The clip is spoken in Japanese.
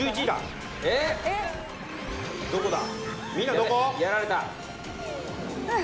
どこだ？